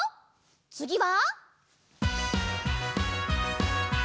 つぎは。